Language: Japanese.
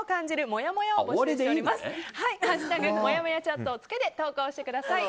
「＃もやもやチャット」をつけて投稿してください。